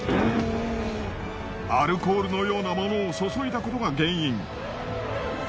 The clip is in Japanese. アルコールのようなものを注いだことが原因。